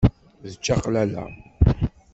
D ččaqlala.